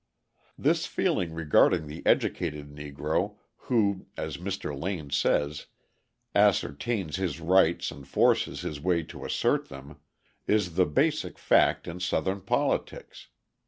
This feeling regarding the educated Negro, who, as Mr. Lane says, "ascertains his rights and forces his way to assert them," is the basic fact in Southern politics.